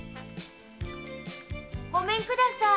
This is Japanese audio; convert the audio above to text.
ごめんください。